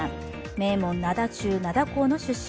名門・灘中灘校の出身。